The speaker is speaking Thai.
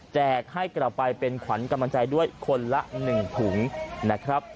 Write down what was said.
ให้กลับไปเป็นขวัญกำลังใจด้วยคนละ๑ถุงนะครับ